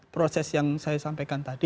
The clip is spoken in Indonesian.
proses yang saya sampaikan tadi